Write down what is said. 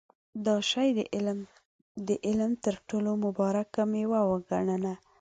دا شی د علم تر ټولو مبارکه مېوه وګڼله.